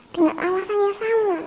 dengan alasannya sama